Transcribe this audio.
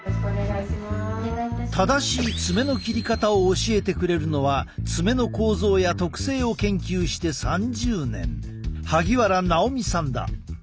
正しい爪の切り方を教えてくれるのは爪の構造や特性を研究して３０年萩原直見さんだ。